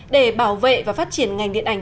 để bảo vệ và phát triển ngành điện ảnh